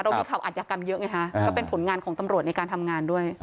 มีข่าวอัธยากรรมเยอะไงฮะก็เป็นผลงานของตำรวจในการทำงานด้วย